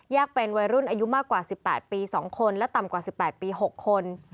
เป็นวัยรุ่นอายุมากกว่า๑๘ปี๒คนและต่ำกว่า๑๘ปี๖คน